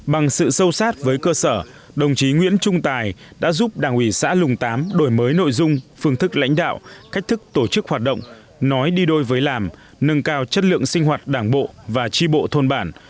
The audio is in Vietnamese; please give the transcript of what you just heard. bằng sự sâu sát với cơ sở đồng chí nguyễn trung tài đã giúp đảng ủy xã lùng tám đổi mới nội dung phương thức lãnh đạo cách thức tổ chức hoạt động nói đi đôi với làm nâng cao chất lượng sinh hoạt đảng bộ và tri bộ thôn bản